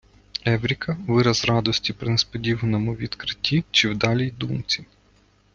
Евріка - вираз радості при несподіваному відкритті чи вдалій думці